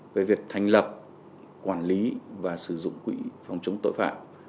về việc thành lập quản lý và sử dụng quỹ phòng chống tội phạm